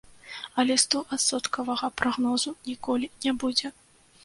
Але стоадсоткавага прагнозу ніколі не будзе.